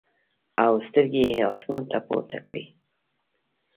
او سترګې ئې اسمان ته پورته کړې ـ